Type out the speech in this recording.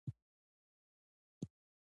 دا د زړونو تر منځ یوه ناڅاپي اړیکه وه.